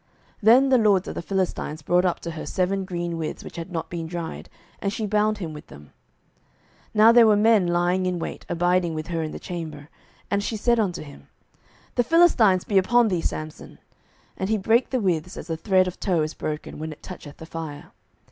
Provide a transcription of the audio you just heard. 07:016:008 Then the lords of the Philistines brought up to her seven green withs which had not been dried, and she bound him with them. 07:016:009 Now there were men lying in wait, abiding with her in the chamber. And she said unto him, The Philistines be upon thee, Samson. And he brake the withs, as a thread of tow is broken when it toucheth the fire.